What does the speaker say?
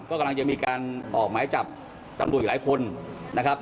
ก็กำลังจะมีการออกหมายจับตำรวจอีกหลายคนนะครับ